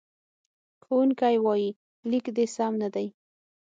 ښوونکی وایي، لیک دې سم نه دی.